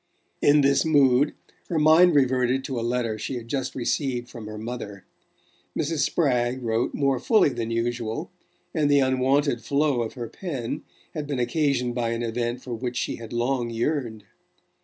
In this mood her mind reverted to a letter she had just received from her mother. Mrs. Spragg wrote more fully than usual, and the unwonted flow of her pen had been occasioned by an event for which she had long yearned.